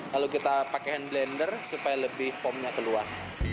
lalu kita pakai hand blender supaya lebih formnya keluar